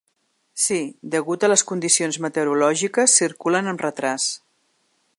Sí, degut a les condicions meteorològiques circulen amb retràs.